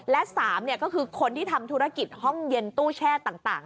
และ๓ก็คือคนที่ทำธุรกิจห้องเย็นตู้แช่ต่าง